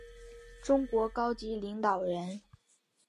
中共高级领导人。